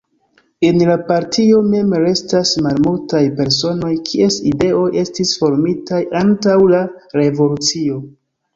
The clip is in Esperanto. En la Partio mem restas malmultaj personoj kies ideoj estis formitaj antaŭ la Revolucio.